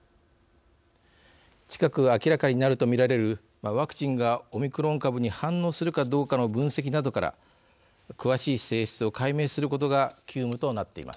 近く明らかになるとみられるワクチンがオミクロン株に反応するかどうかの分析などから詳しい性質を解明することが急務となっています。